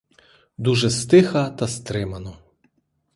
Дуже стиха та стримано.